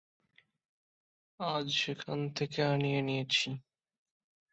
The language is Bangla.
আজ সেখান থেকে আনিয়ে নিয়েছি।